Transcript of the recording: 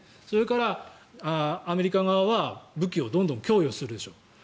それからアメリカ側は武器をどんどん供与するでしょう